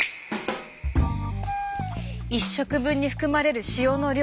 １食分に含まれる塩の量